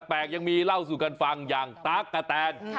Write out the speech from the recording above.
ยังมีเล่าสู่กันฟังอย่างตั๊กกะแตน